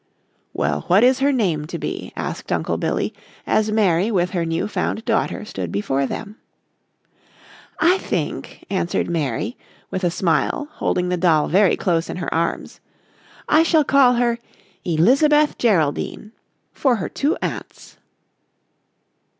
"Well, what is her name to be?" asked Uncle Billy, as Mary with her new found daughter stood before them. "I think," answered Mary, with a smile, holding the doll very close in her arms, "I shall call her 'Elizabeth Geraldine,' for her two aunts."